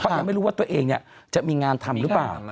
ยังไม่รู้ว่าตัวเองจะมีงานทำหรือเปล่า